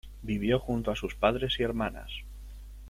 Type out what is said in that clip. Vivió junto a sus padres y hermanas.